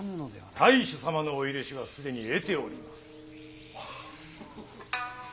太守様のお許しは既に得ております。